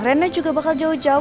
trennya juga bakal jauh jauh